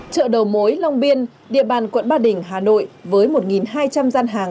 chợ đầu mối long biên địa bàn quận ba đình hà nội với một hai trăm linh gian hàng